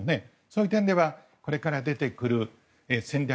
そういう点ではこれから出てくる戦略